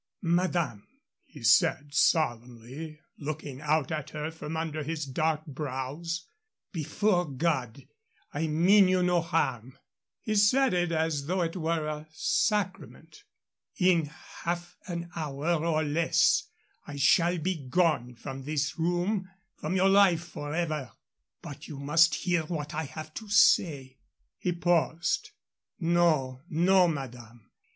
"Madame," he said, solemnly, looking out at her from under his dark brows, "before God, I mean you no harm!" He said it as though it were a sacrament. "In half an hour or less I shall be gone from this room, from your life forever. But you must hear what I have to say." He paused. "No, no, madame.